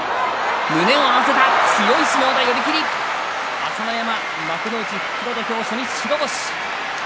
朝乃山、幕内復帰の土俵、白星。